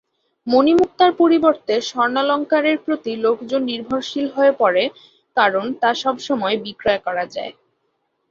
মণিমুক্তার পরিবর্তে স্বর্ণালঙ্কারের প্রতি লোকজন নির্ভরশীল হয়ে পড়ে, কারণ তা সবসময় বিক্রয় করা যায়।